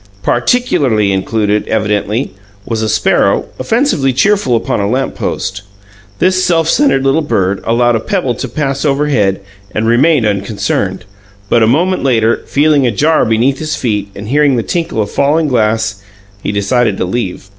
Particularly included, evidently, was a sparrow, offensively cheerful upon a lamp post. This self centred little bird allowed a pebble to pass overhead and remained unconcerned, but, a moment later, feeling a jar beneath his feet, and hearing the tinkle of falling glass, he decided to leave.